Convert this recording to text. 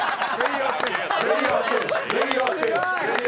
プレイヤーチェンジ。